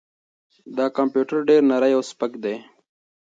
دا کمپیوټر ډېر نری او سپک دی.